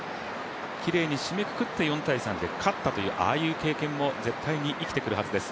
きれいに締めくくって４−３で勝ったというああいう経験も絶対に生きてくるはずです。